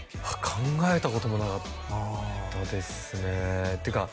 考えたこともなかったですねっていうか